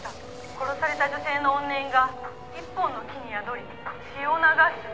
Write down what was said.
「殺された女性の怨念が一本の木に宿り血を流す」